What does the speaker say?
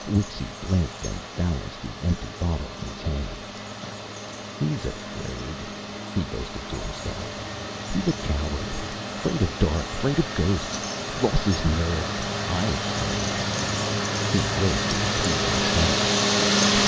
Wixy blinked and balanced the empty bottle in his hand. "He's afraid!" he boasted to himself. "He's coward. 'Fraid of dark. 'Fraid of ghosts. Los' his nerve. I ain' 'fraid." He arose to his feet unsteadily.